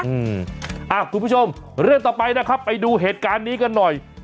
คุณผู้ชมเรื่องต่อไปนะครับไปดูเหตุการณ์นี้กันหน่อย